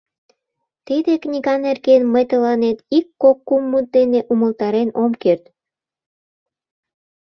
“Тиде книга нерген мый тыланет ик-кок мут дене умылтарен ом керт.